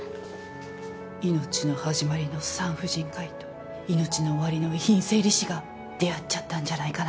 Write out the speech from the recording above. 命の始まりの産婦人科医と命の終わりの遺品整理士が出会っちゃったんじゃないかな？